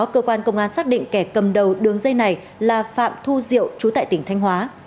cần đầu đường dây này là phạm thu diệu chú tại tỉnh thanh hóa